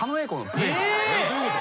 どういうこと？